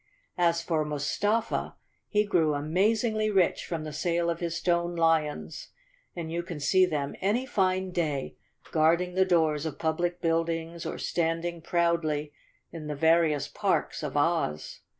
As for Mustafa, he grew amazingly rich from the sale of his stone lions, and you can see them any fine day, guarding the doors of public buildings or standing proudly in the various parks of Oz.